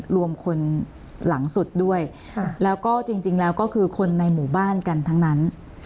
รวมคนหลังสุดด้วยแล้วก็จริงแล้วก็คือคนในหมู่บ้านกันทั้งนั้น